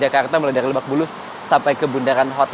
kita bisa melihat